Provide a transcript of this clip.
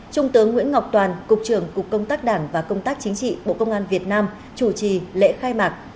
trung tướng nguyễn ngọc toàn cục trưởng cục công tác đảng và công tác chính trị bộ công an việt nam chủ trì lễ khai mạc